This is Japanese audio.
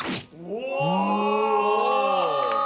お！